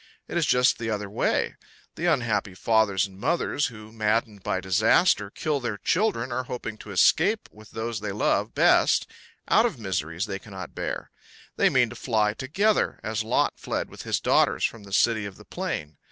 It is just the other way. The unhappy fathers and mothers who, maddened by disaster, kill their children are hoping to escape with those they love best out of miseries they cannot bear; they mean to fly together, as Lot fled with his daughters from the city of the plain.